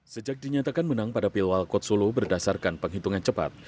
sejak dinyatakan menang pada pilwal kotsolo berdasarkan penghitungan cepat